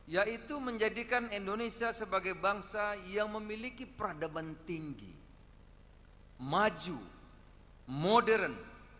yaitu menjadikan indonesia sebagai bangsa yang memiliki peradaban tinggi maju modern